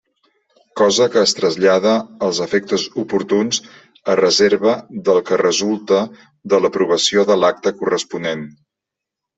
Cosa que es trasllada als efectes oportuns, a reserva del que resulte de l'aprovació de l'acta corresponent.